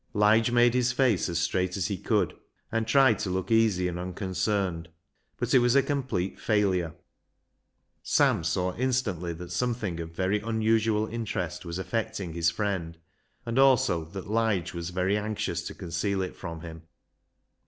Lige made his face as straight as he could, and tried to look easy and unconcerned ; but it was a complete failure, Sam saw instantly that something of very unusual interest was affecting his friend, and also that Lige was very anxious to conceal it from him.